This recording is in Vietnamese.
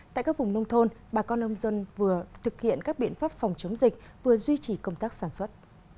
tại các vùng nông thôn bà con nông dân vừa thực hiện các biện pháp phòng chống dịch vừa duy trì công tác sản xuất